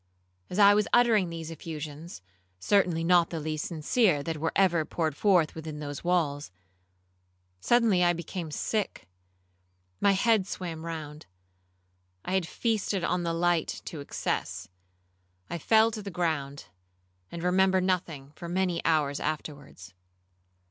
As I was uttering these effusions, (certainly not the least sincere that were ever poured forth within those walls), suddenly I became sick,—my head swam round,—I had feasted on the light to excess. I fell to the ground, and remember nothing for many hours afterwards.